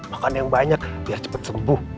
makan yang banyak biar cepat sembuh